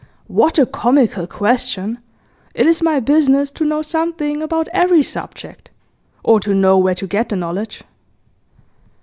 'What a comical question! It is my business to know something about every subject or to know where to get the knowledge.